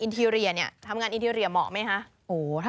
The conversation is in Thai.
ทำงานอินทีรีย์เหมาะไหมคะ